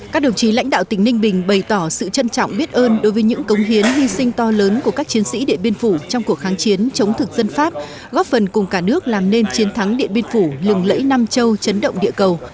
các đồng chí lãnh đạo tỉnh ninh bình bày tỏ sự trân trọng biết ơn đối với những cống hiến hy sinh to lớn của các chiến sĩ địa biên phủ trong cuộc kháng chiến chống thực dân pháp góp phần cùng cả nước làm nên chiến thắng điện biên phủ lừng lẫy nam châu chấn động địa cầu